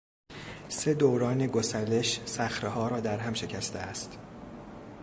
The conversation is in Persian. سه دوران گسلش صخرهها را درهم شکسته است.